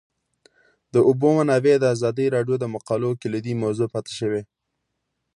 د اوبو منابع د ازادي راډیو د مقالو کلیدي موضوع پاتې شوی.